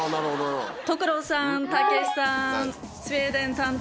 所さんたけしさん。